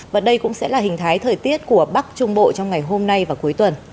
và đây cũng sẽ là hình thái thời tiết của bắc trung bộ trong ngày hôm nay và cuối tuần